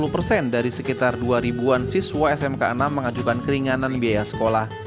lima puluh persen dari sekitar dua ribuan siswa smk enam mengajukan keringanan biaya sekolah